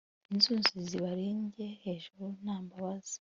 inzuzi zibarenge hejuru nta mbabazi